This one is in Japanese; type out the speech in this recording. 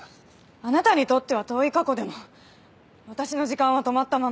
あなたにとっては遠い過去でも私の時間は止まったまま。